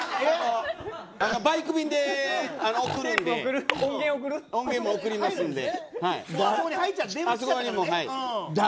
バイク便で送るんで音源も送りますんで。